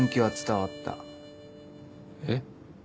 えっ？